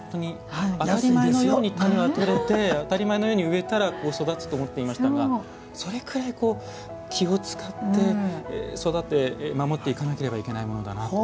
当たり前のように種は取れて当たり前のように植えたら育つと思っていましたがそれくらい気を遣って育って守っていかなければならないものなんだと。